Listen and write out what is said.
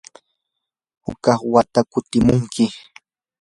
hukaq wata kutimunkim.